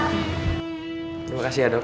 terima kasih ya dok